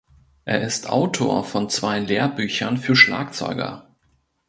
Er ist Autor von zwei Lehrbüchern für Schlagzeuger.